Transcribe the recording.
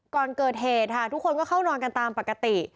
ก่อนเกิดเหตุค่ะทุกคนก็เข้านอนกันตามปกติ